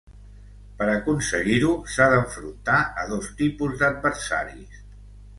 Per aconseguir-ho, s'ha d'enfrontar a dos tipus d'adversaris.